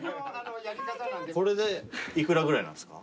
これで幾らぐらいなんすか？